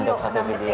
untuk satu video